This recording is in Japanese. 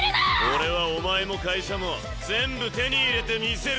俺はお前も会社も全部手に入れてみせるぞ。